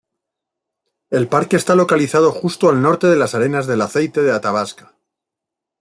El parque está localizado justo al norte de las Arenas del aceite de Athabasca.